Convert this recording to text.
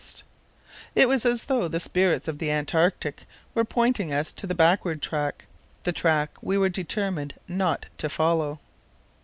It was as though the spirits of the Antarctic were pointing us to the backward track—the track we were determined not to follow.